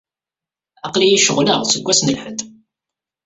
Aql-iyi ceɣleɣ seg wass n lḥedd.